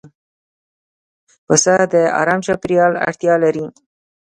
پسه د آرام چاپېریال اړتیا لري.